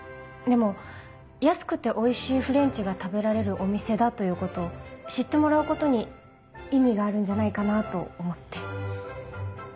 でも安くておいしいフレンチが食べられるお店だということを知ってもらうことに意味があるんじゃないかなと思って。